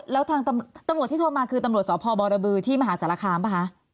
แล้วทางตำรวจที่โทรมาคือตำรวจสพบรบือที่มหาสารคามป่ะคะ